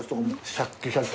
シャッキシャキ。